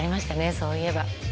そういえば。